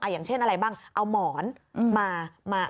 อย่างเช่นอะไรบ้างเอาหมอนมา